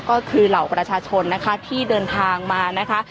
ก็คือเหล่าประชาชนนะคะที่เดินทางมานะคะ